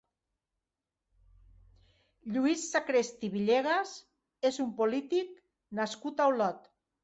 Lluís Sacrest i Villegas és un polític nascut a Olot.